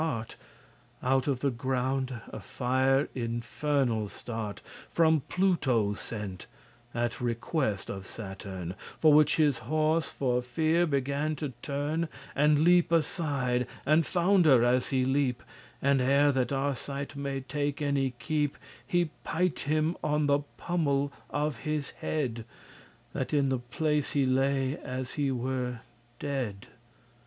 *countenance Out of the ground a fire infernal start, From Pluto sent, at request of Saturn For which his horse for fear began to turn, And leap aside, and founder* as he leap *stumble And ere that Arcite may take any keep*, *care He pight* him on the pummel of his head. *pitched top That in the place he lay as he were dead.